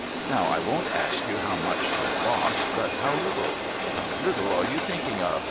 Now I won't ask you how much for the lot, but how little? How little are you thinking of?